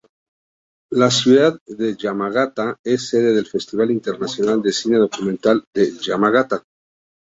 La ciudad de Yamagata es sede del Festival Internacional de Cine-Documental de Yamagata.